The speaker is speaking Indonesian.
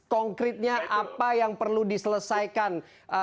konkretnya apa yang perlu diselesaikan